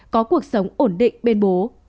có cuộc sống ổn định bên bố